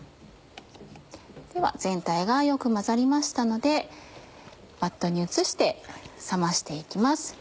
では全体がよく混ざりましたのでバットに移して冷まして行きます。